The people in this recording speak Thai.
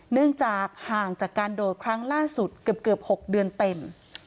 เนื่องจากห่างจากการโดดครั้งล่าสุดเกือบ๖เดือนเต็ม